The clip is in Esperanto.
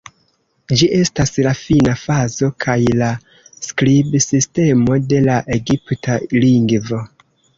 Ĝi estas la fina fazo kaj la skribsistemo de la egipta lingvo.